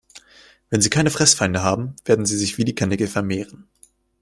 Wenn sie keine Fressfeinde haben, werden sie sich wie die Karnickel vermehren.